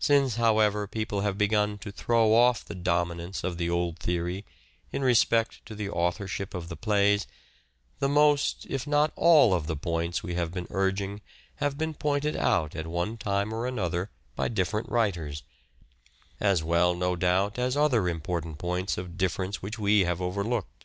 Since, however, people have begun to throw off the dominance of the old theory in respect to the authorship of the plays, the most, if not all of the points we have been urging have been pointed out at one time or other by different writers ; as well, no doubt, as other important points of difference which we have overlooked.